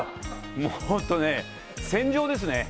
もう本当ね、戦場ですね。